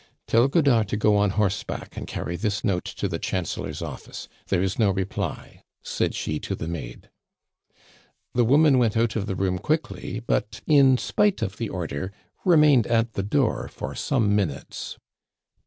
"Tell Godard to go on horseback, and carry this note to the Chancellor's office. There is no reply," said she to the maid. The woman went out of the room quickly, but, in spite of the order, remained at the door for some minutes.